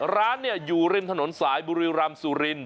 ร้านอยู่ริมถนนสายบุรีรำสุริน